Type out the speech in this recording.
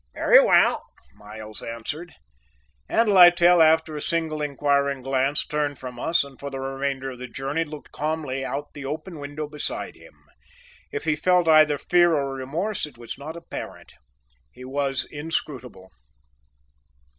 "Very well," Miles answered, and Littell after a single inquiring glance turned from us and for the remainder of the journey looked calmly out the open window beside him. If he felt either fear or remorse it was not apparent. He was inscrutable.